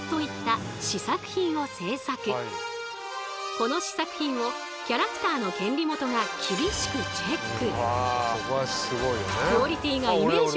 この試作品をキャラクターの権利元が厳しくチェック。